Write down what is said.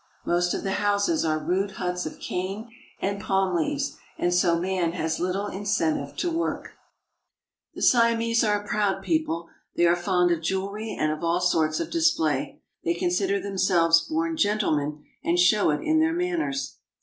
Most of the houses are rude huts of cane and palm leaves, and so man has little incentive to work. SI AM AND THE SIAMESE 1 89 The Siamese are a proud people. They are fond of jewelry and of all sorts of display. They consider them selves born gentlemen, and show it in their manners.